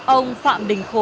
ông phạm đình khuôn